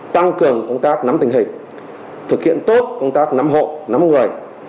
tăng cường công tác nắm tình hình thực hiện tốt công tác nắm hộ nắm người